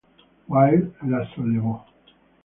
Wilde la sollevò.